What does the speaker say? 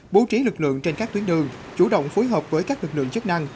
bố trí lực lượng trên các tuyến đường chủ động phối hợp với các lực lượng chức năng